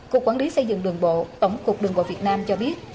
cục quản lý xây dựng đường bộ tổng cục đường bộ việt nam cho biết